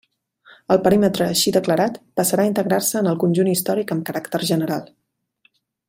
El perímetre així declarat passarà a integrar-se en el conjunt històric amb caràcter general.